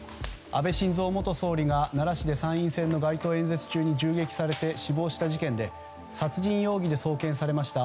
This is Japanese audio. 安倍晋三元首相が奈良市で参院選の街頭演説中に銃撃されて死亡した事件で殺人容疑で送検されました。